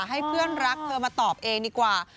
ให้เพื่อนรักเธอมาตอบเองดีกว่า